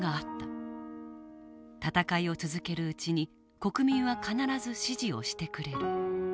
戦いを続けるうちに国民は必ず支持をしてくれる。